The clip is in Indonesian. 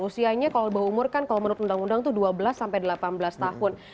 umur kan kalau menurut undang undang itu dua belas sampai delapan belas tahun